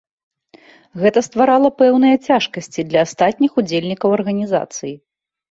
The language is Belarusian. Гэта стварала пэўныя цяжкасці для астатніх удзельнікаў арганізацыі.